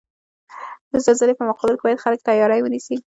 د زلزلزلې په مقابل کې باید خلک تیاری ونیسئ.